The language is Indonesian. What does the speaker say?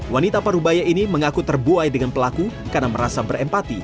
wanita parubaya ini mengaku terbuai dengan pelaku karena merasa berempati